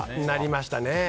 なりましたね。